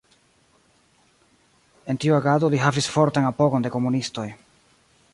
En tiu agado li havis fortan apogon de komunistoj.